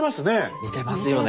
似てますよね。